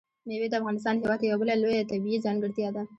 مېوې د افغانستان هېواد یوه بله لویه طبیعي ځانګړتیا ده.